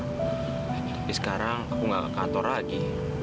tapi sekarang aku gak ke kantor lagi